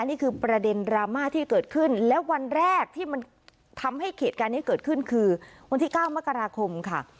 นี่คือประเด็นดราม่าที่เกิดขึ้นและวันแรกที่มันทำให้เหตุการณ์นี้เกิดขึ้นคือวันที่๙มกราคมค่ะ